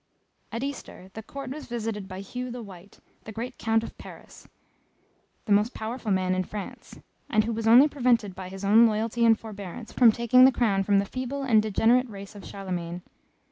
At Easter the court was visited by Hugh the White, the great Count of Paris, the most powerful man in France, and who was only prevented by his own loyalty and forbearance, from taking the crown from the feeble and degenerate race of Charlemagne.